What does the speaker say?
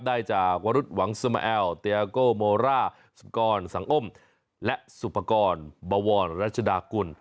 ได้จากวรุษหวังสมแอลเตียโกโมร่าสุกรสังอมและสุปกรณ์บวรรัชดากุล